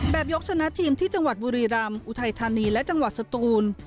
ยกชนะทีมที่จังหวัดบุรีรำอุทัยธานีและจังหวัดสตูน